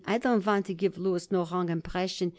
I don't want to give Louis no wrong impression.